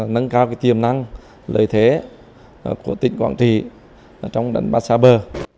nâng cao tiềm năng lợi thế của tỉnh quảng trị trong đánh bắt xa bờ